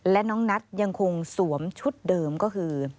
และน้องนัทยังคงสวมชุดเดิมก็คือ